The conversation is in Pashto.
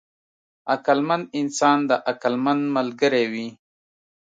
عقلمند انسان د عقلمند ملګری وي.